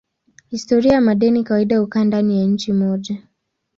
Historia ya madeni kawaida hukaa ndani ya nchi moja.